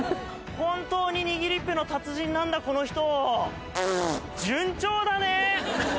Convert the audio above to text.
本当ににぎりっ屁の達人なんだこの人順調だね！